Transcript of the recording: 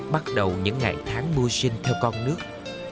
bắt đầu những ngày tháng mưu sinh theo con nước